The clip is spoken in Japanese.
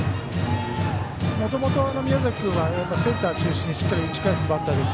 もともと、宮崎君はセンター中心にしっかり打ち返すバッターです。